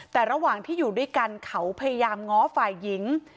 แต่ระหว่างที่อยู่ด้วยกันเขาพยายามง้อฝ่ายหญิง